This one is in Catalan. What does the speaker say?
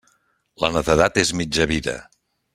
La netedat és mitja vida.